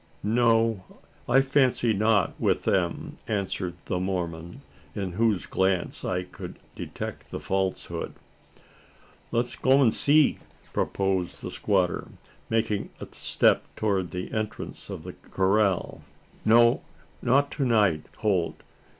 "No? I fancy not with them," answered the Mormon, in whose glance I could detect the falsehood. "Let's go an' see!" proposed the squatter, making a step towards the entrance of the corral. "No not to night, Holt!"